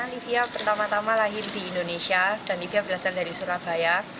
livia pertama tama lahir di indonesia dan livia berasal dari surabaya